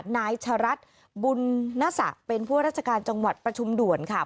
นายชะรัฐบุญนศะเป็นผู้ราชการจังหวัดประชุมด่วนค่ะ